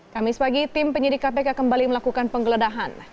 kamis pagi tim penyidik kpk kembali melakukan penggeledahan